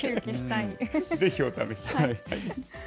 ぜひお試しください。